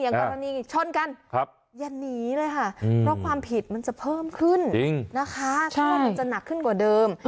กรณีชนกันอย่าหนีเลยค่ะเพราะความผิดมันจะเพิ่มขึ้นนะคะกลัวมันจะหนักขึ้นกว่าเดิม